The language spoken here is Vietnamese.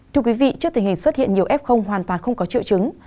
thưa quý vị trước tình hình xuất hiện nhiều f hoàn toàn không có triệu chứng